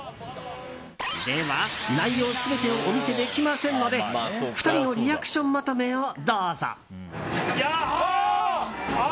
では、内容全てをお見せできませんので２人のリアクションまとめをどうぞ。